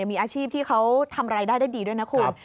มีอาชีพที่เขาทำรายได้ได้ดีด้วยนะคุณ